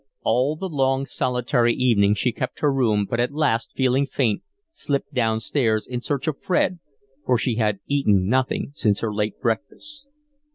All the long, solitary evening she kept her room, but at last, feeling faint, slipped down stairs in search of Fred, for she had eaten nothing since her late breakfast.